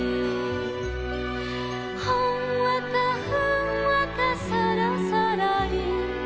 「ほんわかふんわかそろそろり」